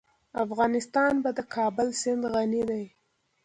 افغانستان په د کابل سیند غني دی.